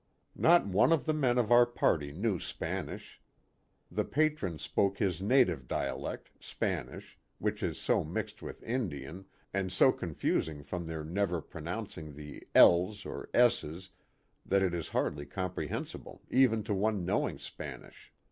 Not one of the men of our party knew Span ish. The Patron spoke his native dialect Spanish which is so mixed with Indian, and so confusing from their never pronouncing the 1's or s's that it is hardly comprehensible even to one knowing Spanish.